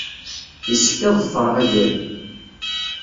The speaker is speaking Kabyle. Yessefk ad ḍefreɣ agal.